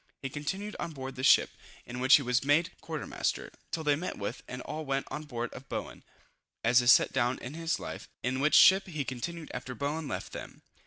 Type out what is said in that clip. He continued on board this ship, in which he was made quarter master, till they met with, and all went on board of Bowen, as is set down in his life, in which ship he continued after Bowen left them.